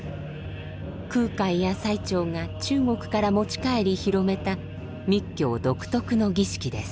空海や最澄が中国から持ち帰り広めた密教独特の儀式です。